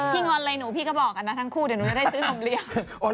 งอนอะไรหนูพี่ก็บอกกันนะทั้งคู่เดี๋ยวหนูจะได้ซื้อนมเลี้ยง